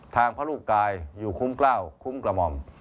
พระลูกกายอยู่คุ้มกล้าวคุ้มกระหม่อม